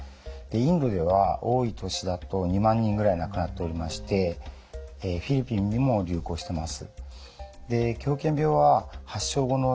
インドでは多い年だと２万人ぐらい亡くなっておりましてフィリピンでも流行してます。